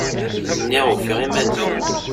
Nwiɣ ufiɣ iman-iw!